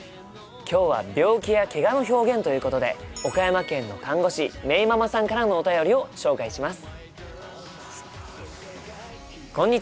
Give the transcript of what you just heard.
今日は病気やけがの表現ということで岡山県の看護師めいママさんからのお便りを紹介します。